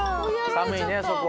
寒いねそこ。